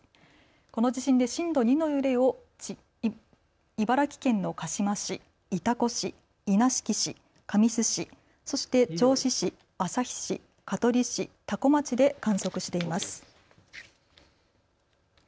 この地震で震度２の揺れを茨城県の鹿嶋市、潮来市、稲敷市、神栖市、そして銚子市、旭市、香取市、多古町で観測しています。